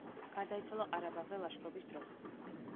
გარდაიცვალა ყარაბაღზე ლაშქრობის დროს.